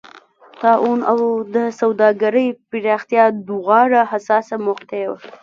طاعون او د سوداګرۍ پراختیا دواړه حساسه مقطعه وه.